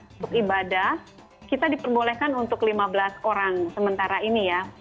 untuk ibadah kita diperbolehkan untuk lima belas orang sementara ini ya